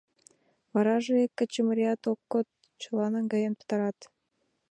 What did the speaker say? Вараже ик качымарият ок код, чыла наҥгаен пытарат.